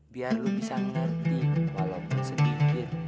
biar lu bisa ngerti walaupun sedikit